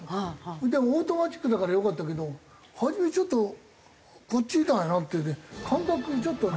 でもオートマチックだからよかったけど初めちょっとこっちとかになってて感覚ちょっとね。